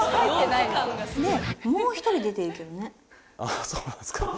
あっそうなんすか。